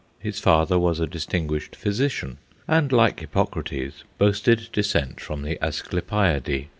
His father was a distinguished physician, and, like Hippocrates, boasted descent from the Asclepiadæ.